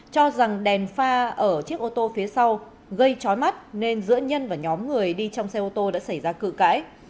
cho rằng đèn pha ở chiếc ô tô phía sau gây trói mắt nên giữa nhân và nhóm người đi trong xe ô tô đã xảy ra cự cãi